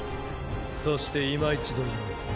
そしていま一度言おう。